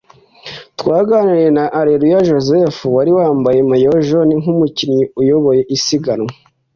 twaganiriye na Areruya Joseph wari wambaye maillot jaune nk’umukinnyi uyoboye isiganwa